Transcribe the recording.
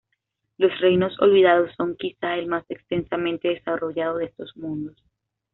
Los reinos olvidados son quizá el más extensamente desarrollado de estos mundos.